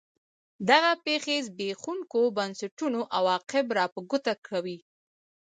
دغه پېښې زبېښونکو بنسټونو عواقب را په ګوته کوي.